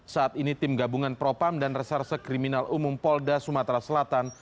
saat ini tim gabungan propam dan reserse kriminal umum polda sumatera selatan